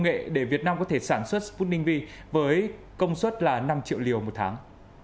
nghệ để việt nam có thể sản xuất sputnik v với công suất năm triệu liều một tháng